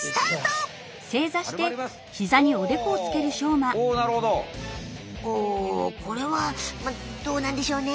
おおこれはまあどうなんでしょうね？